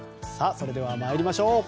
それでは参りましょう。